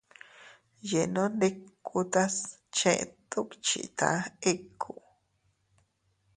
Yenondikutas chet dukchita ikku.